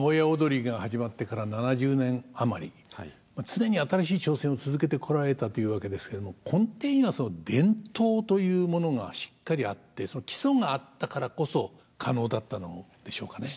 常に新しい挑戦を続けてこられたというわけですけれども根底にはその伝統というものがしっかりあってその基礎があったからこそ可能だったのでしょうかね。